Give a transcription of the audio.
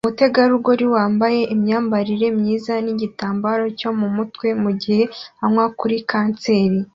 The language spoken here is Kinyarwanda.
Umutegarugori wambaye imyambarire myiza nigitambaro cyo mu mutwe mugihe anywa kuri kanseri